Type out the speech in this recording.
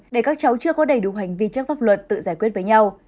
để các cháu chưa có đầy đủ hành vi chấp pháp luật tự giải quyết với nhau